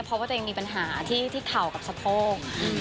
เพราะว่าตัวเองมีปัญหาที่เข่ากับสะโพก